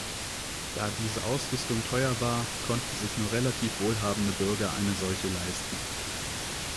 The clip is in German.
Da diese Ausrüstung teuer war, konnten sich nur relativ wohlhabende Bürger eine solche leisten.